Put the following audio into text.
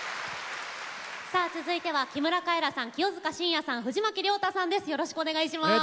続いては、木村カエラさん清塚信也さん、藤巻亮太さんです。